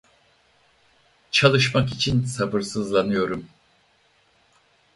Çalışmak için sabırsızlanıyorum.